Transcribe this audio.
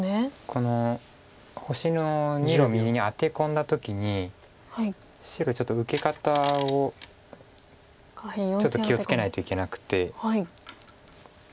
この星の２路右にアテ込んだ時に白ちょっと受け方をちょっと気を付けないといけなくて。